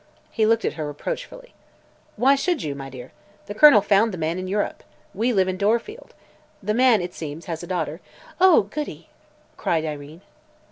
He looked at her reproachfully. "Why should you, my dear? The Colonel found the man in Europe. We live in Dorfield. The man, it seems, has a daughter " "Oh, goody!" cried Irene.